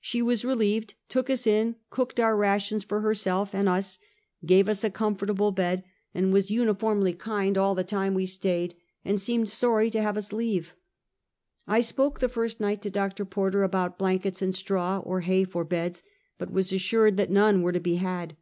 She was relieved, took us in, cooked our rations for herself and us, gave us a comfortable bed, and was 312 Half a Centukt. ■uniformly kind all the time we staid, . and seemed sorrj to have us leave. I spoke the first night to Dr. Porter about blankets and straw, or hay for beds, but was assured that none were to be had.